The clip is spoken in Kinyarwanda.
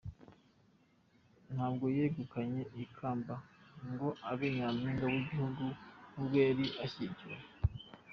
Ntabwo yegukanye ikamba ngo abe Nyampinga w’igihugu nubwo yari ashyigikiwe.